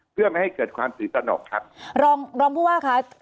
เพื่อไม่ให้เกิดความส๋วิสระรองพุภาค่ะ